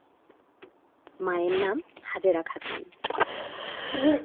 মায়ের নাম হাজেরা খাতুন।